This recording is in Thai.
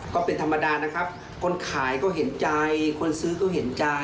ก็เป็นธรรมดานะครับคนขายก็เห็นใจคนซื้อก็เห็นใจ